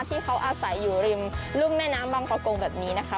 ที่เขาอาศัยอยู่ริมรุ่มแม่น้ำบางประกงแบบนี้นะคะ